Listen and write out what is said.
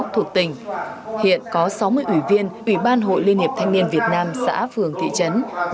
thuộc tỉnh hiện có sáu mươi ủy viên ủy ban hội liên hiệp thanh niên việt nam xã phường thị trấn